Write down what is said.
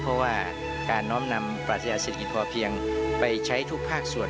เพราะว่าการน้อมนำปรัชญาเศรษฐกิจพอเพียงไปใช้ทุกภาคส่วน